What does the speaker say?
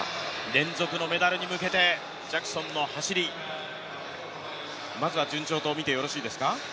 連続のメダルに向けてジャクソンの走りまずは順調とみてよろしいですか？